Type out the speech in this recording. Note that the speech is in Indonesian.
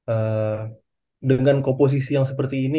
ee dengan komposisi yang seperti ini